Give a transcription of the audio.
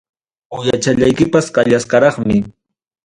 Uyachallaykipas kallasqaraqmi.